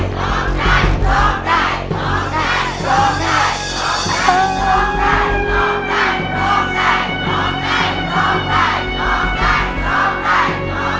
โหวนใจโหวนใจโหวนใจ